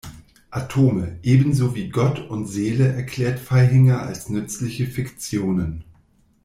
Atome, ebenso wie Gott und Seele erklärt Vaihinger als nützliche Fiktionen.